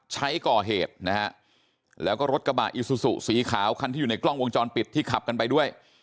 ใช้ก่อเหตุนะฮะแล้วก็รถกระบะอิซูซูสีขาวคันที่อยู่ในกล้องวงจรปิดที่ขับกันไปด้วย